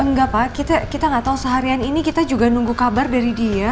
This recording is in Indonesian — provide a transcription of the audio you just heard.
enggak pak kita nggak tahu seharian ini kita juga nunggu kabar dari dia